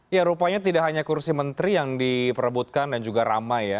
ya rupanya tidak hanya kursi menteri yang diperebutkan dan juga ramai ya